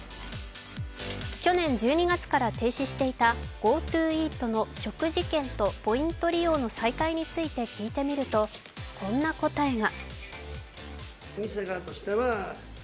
去年１２月から停止していたＧｏＴｏイートの食事券とポイント利用の再開について聞いてみると、こんな答えが。